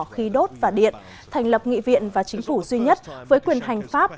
khí đốt và điện thành lập nghị viện và chính phủ duy nhất với quyền hành pháp